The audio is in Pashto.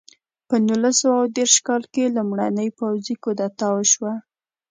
په نولس سوه دېرش کال کې لومړنۍ پوځي کودتا وشوه.